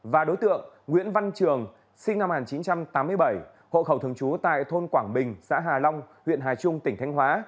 và đối tượng nguyễn văn trường sinh năm một nghìn chín trăm tám mươi bảy hộ khẩu thường trú tại thôn quảng bình xã hà long huyện hà trung tỉnh thanh hóa